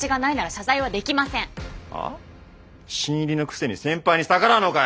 新入りのくせに先輩に逆らうのかよ！